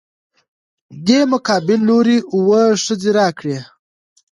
دې مقابل لورى اووه ښځې راکړي.